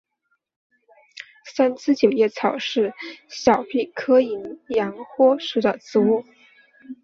三枝九叶草是小檗科淫羊藿属的植物。